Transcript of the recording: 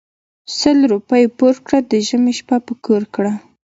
سل روپی پور کړه د ژمي شپه په کور کړه .